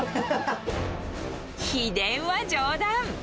秘伝は冗談。